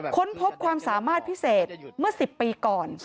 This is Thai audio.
ค้นพบความสามารถพิเศษเมื่อ๑๐ปีก่อน